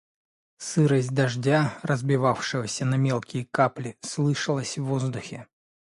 Сырость дождя, разбивавшегося на мелкие капли, слышалась в воздухе.